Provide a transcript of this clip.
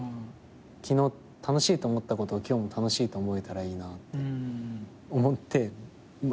昨日楽しいと思ったことを今日も楽しいと思えたらいいなって思って毎日板橋ハウスを。